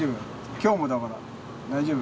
きょうもだから、大丈夫？